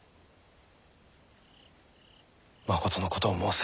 まことのことを申せ。